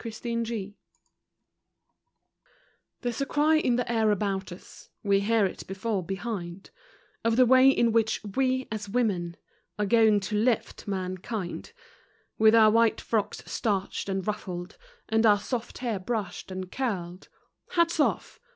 "WE AS WOMEN" * There's a cry in the air about us We hear it before, behind Of the way in which "We, as women," Are going to lift mankind! With our white frocks starched and ruffled, And our soft hair brushed and curled Hats off!